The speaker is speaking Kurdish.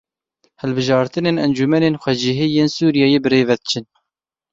Hilbijartinên encûmenên xwecihî yên Sûriyeyê birêve diçin.